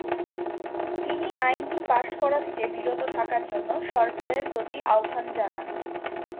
তিনি আইনটি পাস করা থেকে বিরত থাকার জন্য সরকারের প্রতি আহ্বান জানান।